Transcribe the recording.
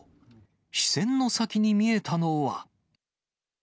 視線の先に見えたのは。